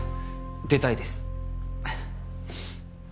出たいです。